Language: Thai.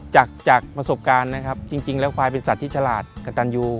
จากจากประสบการณ์นะครับจริงแล้วควายเป็นสัตว์ที่ฉลาดกระตันยู